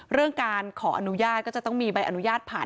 เรื่องการขออนุญาตก็จะต้องมีใบอนุญาตผ่าน